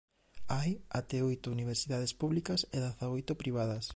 Hai até oito universidades públicas e dezaoito privadas.